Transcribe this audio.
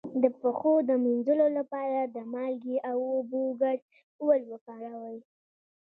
د پښو د مینځلو لپاره د مالګې او اوبو ګډول وکاروئ